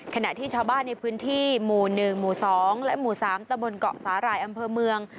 ขณะที่ชาวบ้านในพื้นที่หมู่๑หมู่๒และหมู่๓ตะบนเกาะสาหร่ายอำเภอเมือง